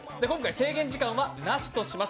制限時間はなしといたします。